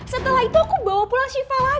setelah itu aku bawa pulang shiva lagi